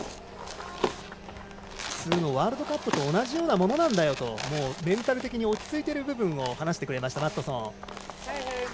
普通のワールドカップと同じようなものだよとメンタル的に落ち着いている部分話してくれました。